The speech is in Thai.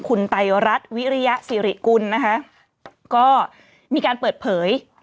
คุณไตรรัฐวิริยสิริกุลนะคะก็มีการเปิดเผย